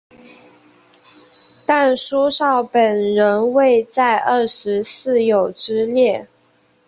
但苏绍本人未在二十四友之列。